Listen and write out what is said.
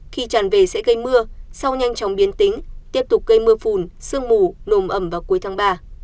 khi tràn về sẽ gây mưa sau nhanh chóng biến tính tiếp tục gây mưa phùn sương mù nồm ẩm vào cuối tháng ba